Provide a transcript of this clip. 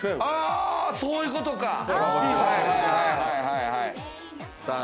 あぁ、そういうことか！